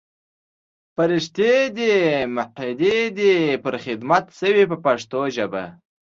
فرښتې دې مقیدې پر خدمت شوې په پښتو ژبه.